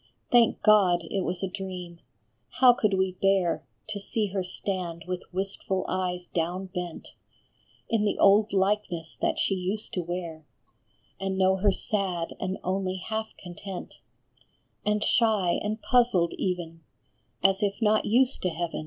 Thank God, it was a dream ! How could we bear To see her stand with wistful eyes down bent, In the old likeness that she used to wear, And know her sad and only half content, And shy and puzzled even, as if not used to heaven